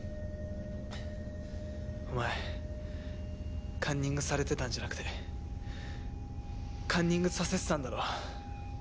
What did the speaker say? お前カンニングされてたんじゃなくてカンニングさせてたんだろ。